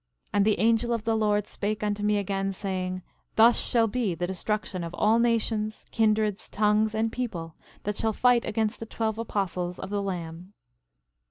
And the angel of the Lord spake unto me again, saying: Thus shall be the destruction of all nations, kindreds, tongues, and people, that shall fight against the twelve apostles of the Lamb.